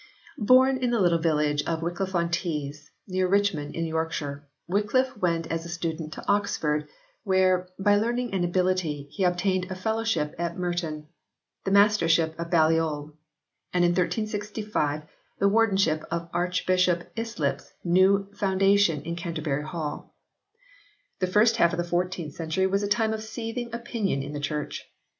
Born in the little village of Wycliffe on Tees, near Richmond in Yorkshire, Wycliffe went as a student to Oxford where, by learning and ability, he obtained a Fellowship at Merton, the Mastership of Balliol and in 1365 the Wardenship of Archbishop Islip s new foundation in Canterbury Hall. The first half of the fourteenth century was a time of seething opinion in the Church.